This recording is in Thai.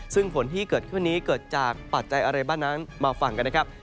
ซึ่งฝนที่เกิดขึ้นนี้เกิดจากปัจจัยอะไรบ้างนั้นมาฟังกันนะครับ